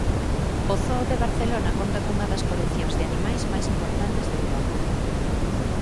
O zoo de Barcelona conta cunha das coleccións de animais máis importantes de Europa.